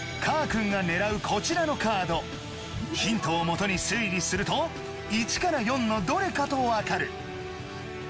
カーくんが狙うこちらのカードヒントをもとに推理すると１から４のどれかとわかる。